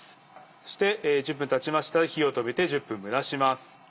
そして１０分たちましたら火を止めて１０分蒸らします。